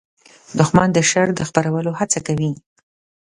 دښمن د شر د خپرولو هڅه کوي